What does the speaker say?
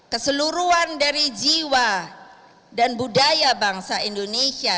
keseluruhan dari jiwa dan budaya bangsa indonesia